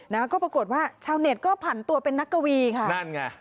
นะฮะก็ปรากฏว่าชาวเน็ตก็ผันตัวเป็นนักกวีค่ะนั่นไง